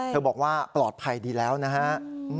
บอกว่าปลอดภัยดีแล้วนะฮะ